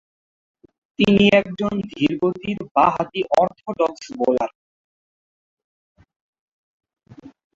তিনি একজন ধীরগতির বা-হাতি orthodox bowler.